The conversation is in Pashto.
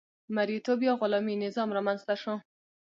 مرئیتوب یا غلامي نظام رامنځته شو.